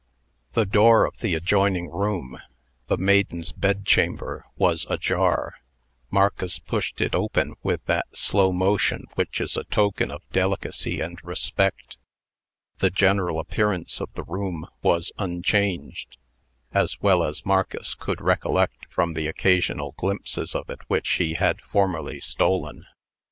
The door of the adjoining room the maiden's bedchamber was ajar. Marcus pushed it open with that slow motion which is a token of delicacy and respect. The general appearance of the room was unchanged, as well as Marcus could recollect from the occasional glimpses of it which he had formerly stolen.